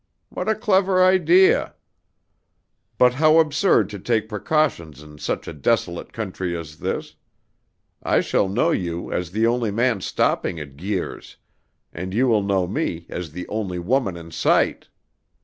What a clever idea! But how absurd to take precautions in such a desolate country as this. I shall know you as the only man stopping at Guir's, and you will know me as the only woman in sight.